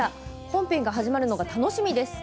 本編が始まるのが、楽しみです。